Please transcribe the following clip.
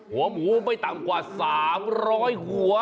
หัวหมูไม่ต่ำกว่า๓๐๐หัว